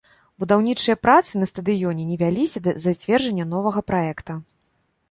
Будаўнічыя працы на стадыёне не вяліся да зацвярджэння новага праекта.